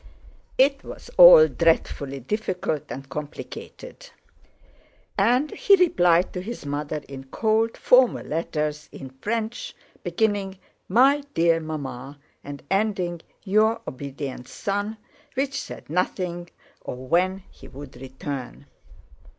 It was all dreadfully difficult and complicated; and he replied to his mother in cold, formal letters in French, beginning: "My dear Mamma," and ending: "Your obedient son," which said nothing of when he would return.